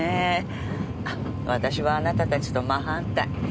私はあなたたちと真反対。